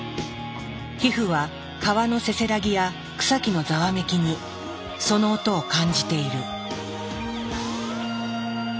皮膚は川のせせらぎや草木のざわめきにその音を感じている。